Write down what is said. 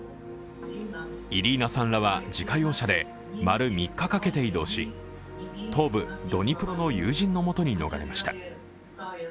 イリーナさんらは自家用車で丸３日かけて移動し、東部ドニプロの友人のもとに逃れました。